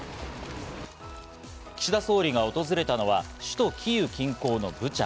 岸田総理が訪れたのは首都キーウ近郊のブチャ。